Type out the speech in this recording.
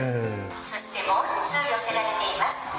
そして、もう一通寄せられています。